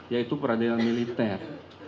yaitu peradilan militer